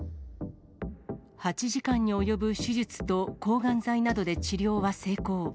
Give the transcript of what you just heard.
８時間に及ぶ手術と抗がん剤などで治療は成功。